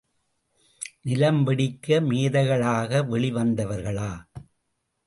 நிலம் வெடிக்க மேதைகளாக வெளி வந்தவர்களா?